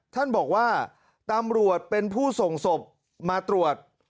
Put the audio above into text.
ท่านบอกว่าตำรวจเป็นผู้ส่งศพมาตรวจ